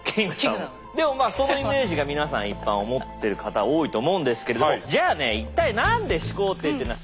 でもまあそのイメージが皆さん一般思ってる方多いと思うんですけれどもじゃあね一体何で始皇帝っていうのはすごいのか。